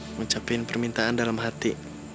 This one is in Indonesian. mengucapin permintaan dalam hati